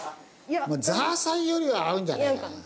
ザーサイよりは合うんじゃないかな。